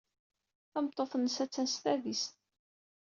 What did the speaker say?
Tameṭṭut-nnes attan s tadist.